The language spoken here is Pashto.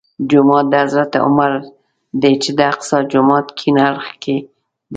جومات د حضرت عمر دی چې د اقصی جومات کیڼ اړخ کې دی.